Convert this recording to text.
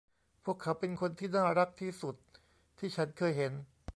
พวกเขาเป็นคนที่น่ารักที่สุดที่ฉันเคยเห็น